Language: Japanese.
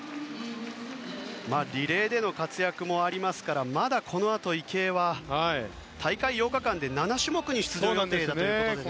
リレーでの活躍もありますからまだこのあと池江は大会８日間で７種目に出場予定ということです。